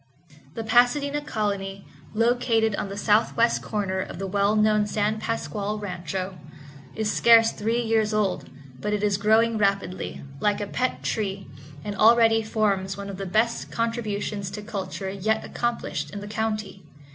The Pasadena Colony, located on the southwest corner of the well known San Pasqual Rancho, is scarce three years old, but it is growing rapidly, like a pet tree, and already forms one of the best contributions to culture yet accomplished in the county.